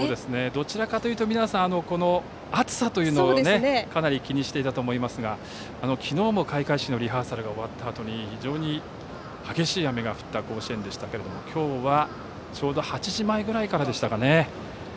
どちらかというと皆さん、暑さというのをかなり気にしていたと思いますが昨日も、開会式のリハーサルが終わったあとに非常に激しい雨が降った甲子園でしたが今日はちょうど８時前ぐらいからでしたかね。